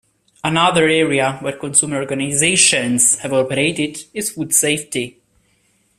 Another arena where consumer organizations have operated is food safety.